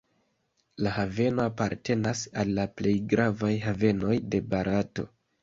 La haveno apartenas al la plej gravaj havenoj de Barato.